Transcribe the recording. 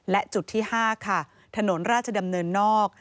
และจุดที่๕ค่ะถนนราชดำเนินนอก